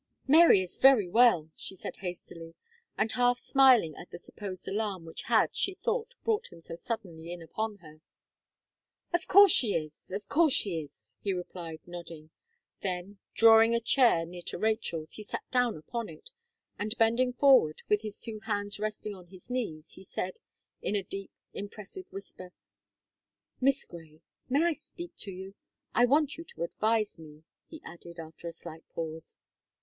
"Mary is very well," she said, hastily, and half smiling at the supposed alarm which had, she thought, brought him so suddenly in upon her. "Of course she is of course she is," he replied, nodding; then, drawing a chair near to Rachel's, he sat down upon it, and, bending forward, with his two hands resting on his knees, he said, in a deep, impressive whisper, "Miss Gray, may I speak to you? I want you to advise me," he added, after a slight pause.